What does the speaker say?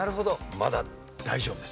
まだ大丈夫です。